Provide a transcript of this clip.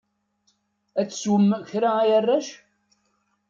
Ad teswem kra a arrac?